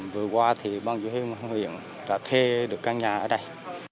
vừa qua thì ban chủ huyện đã thuê được căn nhà ở đây